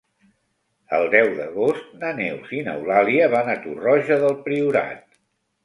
El deu d'agost na Neus i n'Eulàlia van a Torroja del Priorat.